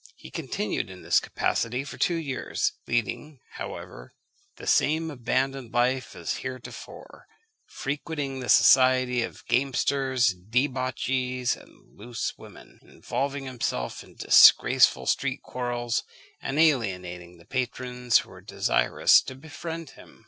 He continued in this capacity for two years; leading, however, the same abandoned life as heretofore, frequenting the society of gamesters, debauchees, and loose women, involving himself in disgraceful street quarrels, and alienating the patrons who were desirous to befriend him.